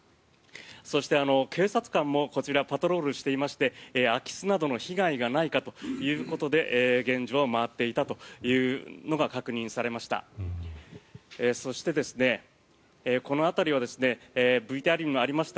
そして警察官もこちらパトロールしていまして空き巣などの被害がないかということで現状は回っていたというのが確認されました。